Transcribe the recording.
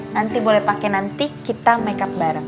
nanti boleh pakai nanti kita makeup bareng